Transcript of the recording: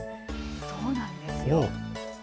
そうなんです。